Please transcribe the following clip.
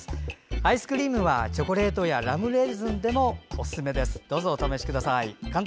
アイスクリームはチョコレートやラムレーズンでもおすすめです。